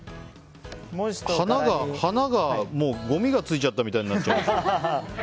花がごみがついちゃったみたいになってる。